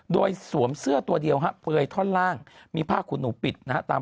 โดยสวมเสื้อตัวเดียวฮะเปลือยท่อนล่างมีผ้าขุนหนูปิดนะฮะ